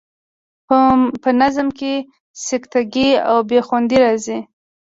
په نظم کې سکته ګي او بې خوندي راځي.